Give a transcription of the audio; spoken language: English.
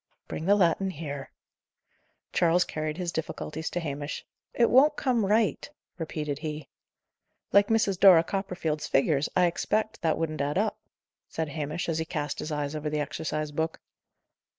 "Bring the Latin here." Charles carried his difficulties to Hamish. "It won't come right," repeated he. "Like Mrs. Dora Copperfield's figures, I expect, that wouldn't add up," said Hamish, as he cast his eyes over the exercise book.